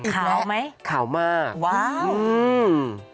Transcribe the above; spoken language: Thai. อีกแล้วขาวไหมว้าวอืม